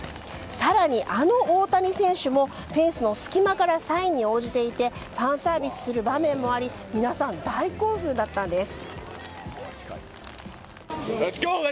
更に、あの大谷選手もフェンスの隙間からサインに応じていてファンサービスする場面もあり皆さん、大興奮だったんです。